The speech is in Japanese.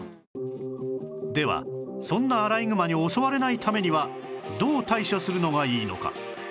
ではそんなアライグマに襲われないためにはどう対処するのがいいのか？